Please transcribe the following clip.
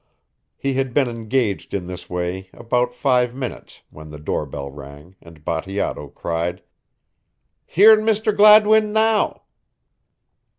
He had been engaged in this way about five minutes when the door bell rang and Bateato cried: "Here Mr. Gladwin now."